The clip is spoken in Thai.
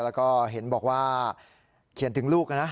แล้วก็เห็นบอกว่าเขียนถึงลูกนะ